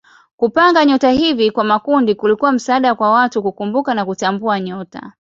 Kupanga nyota hivi kwa makundi kulikuwa msaada kwa watu kukumbuka na kutambua nyota.